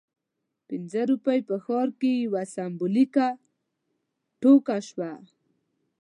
پنځه روپۍ په ښار کې یوه سمبولیکه ټوکه شوه.